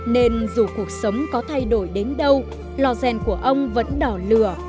nên dù cuộc sống có thay đổi đến đâu lò rèn của ông vẫn đỏ lửa